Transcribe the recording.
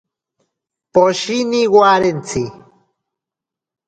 Poshini warentsi.